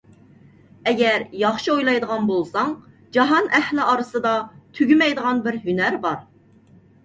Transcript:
ئەگەر ياخشى ئويلايدىغان بولساڭ، جاھان ئەھلى ئارىسىدا تۈگىمەيدىغان بىر ھۈنەر بار.